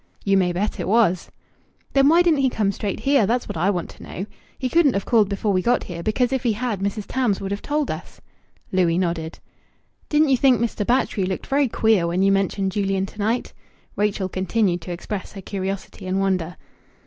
"You may bet it was." "Then why didn't he come straight here? That's what I want to know. He couldn't have called before we got here, because if he had Mrs. Tams would have told us." Louis nodded. "Didn't you think Mr. Batchgrew looked very queer when you mentioned Julian to night?" Rachel continued to express her curiosity and wonder.